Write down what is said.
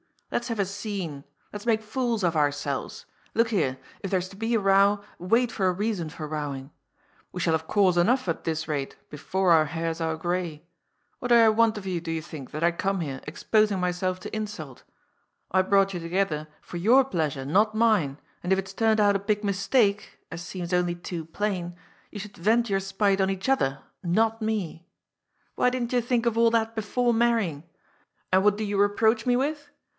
Let's have a scene! Let's make fools of ourselves ! Look here, if there's to be 240 GOD'S FOOL. a row, wait for a reason for rowing. We shall have cause enough at this rate, before our hairs are gray. What do I ^jsrant of you, do you think, that I come here, exposing my self to insult? I brought you together for your pleasure, not mine, and if it's turned out a big mistake — as seems only too plain — ^you should vent your spite on each other, not me. Why didn't you think of all that before marrying ? And what do you reproach me with?